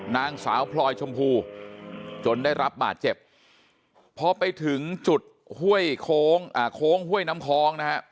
นางสาวพลอยชมพูจนได้รับบาดเจ็บพอไปถึงจุดห้วยโค้งโค้งห้วยน้ำคล้องนะฮะ